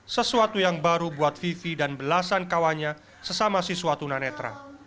sesuatu yang baru buat vivi dan belasan kawannya sesama siswa tunanetra